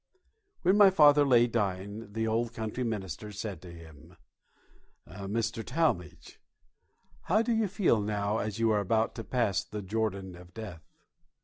When my father lay dying the old country minister said to him, "Mr. Talmage, how do you feel now as you are about to pass the Jordan of death?"